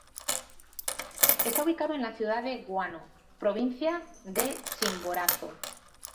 Está ubicado en la ciudad de Guano, provincia de Chimborazo.